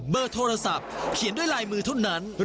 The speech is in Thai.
ประกาศผลทุกวันในรายการตลอดข่าว